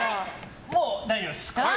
もう大丈夫です。